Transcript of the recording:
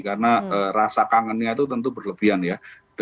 karena rasa kangennya itu tentu berlebihan ya